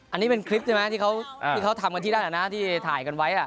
อันนี้เป็นคลิปใช่ไหมที่เขาทำกันที่นั่นที่ถ่ายกันไว้